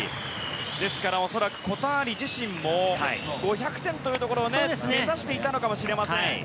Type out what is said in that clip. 恐らくコターリ自身も５００点というところを目指していたのかもしれません。